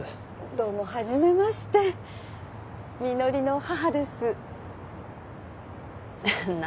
どうもはじめまして実梨の母です何？